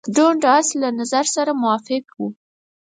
دونډاس له نظر سره موافق وو.